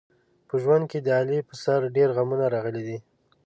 په ژوند کې د علي په سر ډېر غمونه راغلي دي.